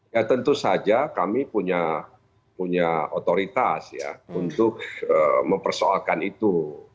ya tentu saja kami punya otoritas ya untuk mempersoalkan itu